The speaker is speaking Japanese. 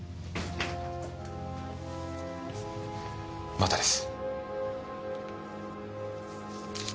またです。